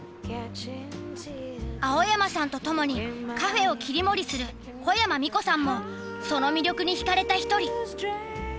青山さんと共にカフェを切り盛りする小山美光さんもその魅力に引かれた一人。